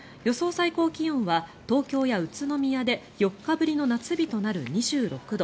最高気温は東京や宇都宮で４日ぶりの夏日となる２６度。